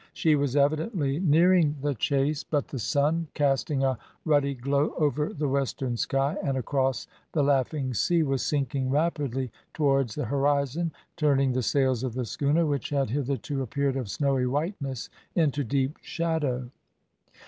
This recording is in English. She was evidently nearing the chase, but the sun, casting a ruddy glow over the western sky and across the laughing sea, was sinking rapidly towards the horizon, turning the sails of the schooner, which had hitherto appeared of snowy whiteness, into deep shadow.